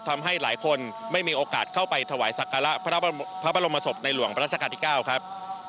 ทำให้หลายคนไม่มีโอกาสเข้าไปถวายสักการะพระบรมศพในหลวงประราชการที่๙ครับ